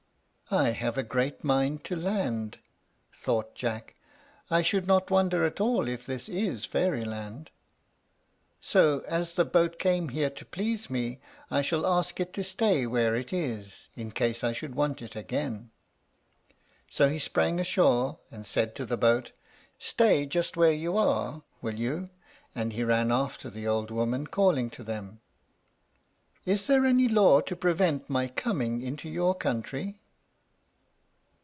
"I have a great mind to land," thought Jack. "I should not wonder at all if this is Fairyland. So as the boat came here to please me, I shall ask it to stay where it is, in case I should want it again." So he sprang ashore, and said to the boat, "Stay just where you are, will you?" and he ran after the old women, calling to them, "Is there any law to prevent my coming into your country?"